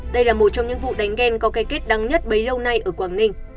đây là một trong những vụ đánh ghen có cây kết đắng nhất bấy lâu nay ở quảng ninh